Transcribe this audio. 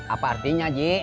apa artinya ghi